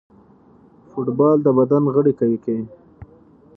فوټبال د بدن غړي قوي کوي.